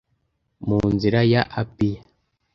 Mu nzira ya Apiya.